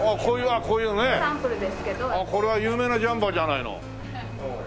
これは有名なジャンパーじゃないの。